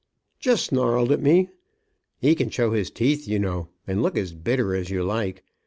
"Just snarled at me. He can show his teeth, you know, and look as bitter as you like.